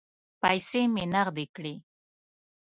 پیسې مې نغدې کړې.